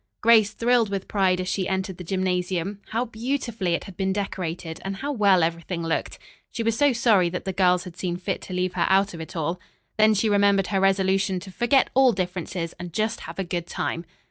Grace thrilled with pride as she entered the gymnasium. How beautifully it had been decorated and how well everything looked. She was so sorry that the girls had seen fit to leave her out of it all. Then she remembered her resolution to forget all differences and just have a good time.